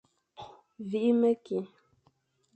Vîkh mekî.